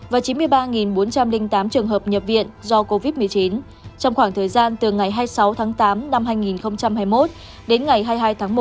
và chín mươi ba bốn trăm linh tám trường hợp nhập viện do covid một mươi chín trong khoảng thời gian từ ngày hai mươi sáu tháng tám năm hai nghìn hai mươi một đến ngày hai mươi hai tháng một